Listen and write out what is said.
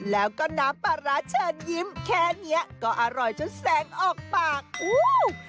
แล้วก็น้ำปลาร้าเชิญยิ้มแค่เนี้ยก็อร่อยจนแสงออกปากอู้